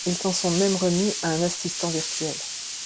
Ils s'en sont même remis à un assistant virtuel.